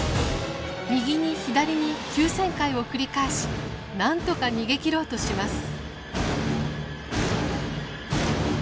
右に左に急旋回を繰り返しなんとか逃げきろうとします。